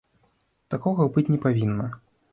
Такога быць не павінна.